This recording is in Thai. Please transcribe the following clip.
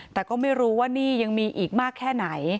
แต่ก็ไม่รู้ว่านี่ยังมีอีกมากแค่ไหน